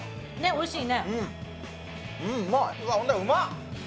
おいしい。